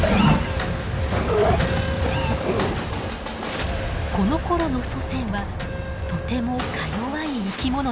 このころの祖先はとてもかよわい生き物でした。